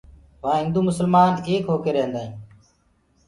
وهآن هندو مسلمآن ايڪ هوڪي ريهدآئين